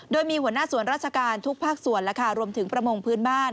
โดยมีหัวหน้าส่วนราชการทุกภาคส่วนรวมถึงประมงพื้นบ้าน